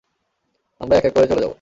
আমরা এক এক করে চলে যাবো।